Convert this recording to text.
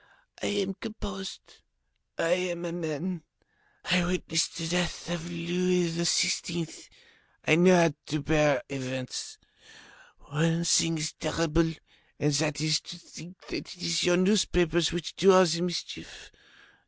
I am composed, I am a man, I witnessed the death of Louis XVI., I know how to bear events. One thing is terrible and that is to think that it is your newspapers which do all the mischief.